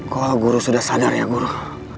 kok guru sudah sadar ya guru